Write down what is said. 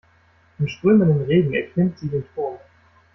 Im strömenden Regen erklimmt sie den Turm.